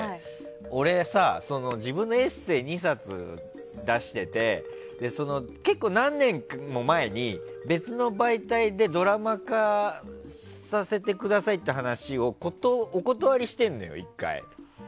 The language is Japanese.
俺さ自分のエッセー２冊出してて結構、何年も前に別の媒体でドラマ化させてくださいって話をお断りしてるのよ、１回。